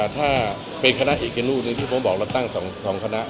ถ้าเป็นคณะอีกหนึ่งหนึ่งที่ผมบอกแล้วตั้ง๒คณะ